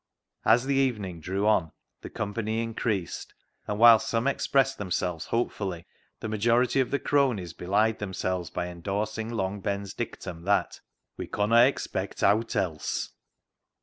As the evening drew on the company in creased, and whilst some expressed themselves hopefully, the majority of the cronies belied themselves by endorsing Long Ben's dictum that " We conna expect owt else."